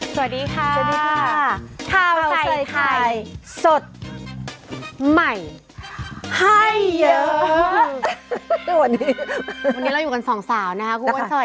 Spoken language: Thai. สวัสดีค่ะค่ะท่าววาศยไทายสด